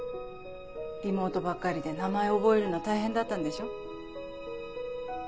リモートばっかりで名前覚えるの大変だったんでしょ？